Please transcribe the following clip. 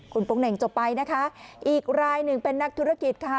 คุณโป๊งเหน่งจบไปนะคะอีกรายหนึ่งเป็นนักธุรกิจค่ะ